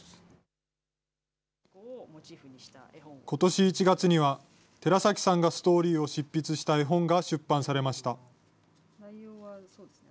ことし１月には、寺崎さんがストーリーを執筆した絵本が出版されました。